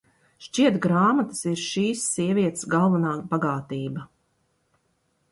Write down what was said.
Šķiet grāmatas ir šīs sievietes galvenā bagātība.